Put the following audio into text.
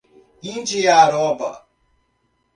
Indiaroba